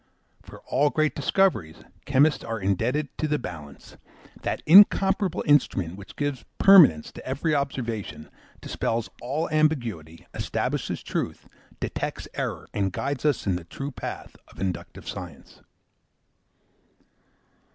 For all great discoveries chemists are indebted to the "balance" that incomparable instrument which gives permanence to every observation, dispels all ambiguity, establishes truth, detects error, and guides us in the true path of inductive science.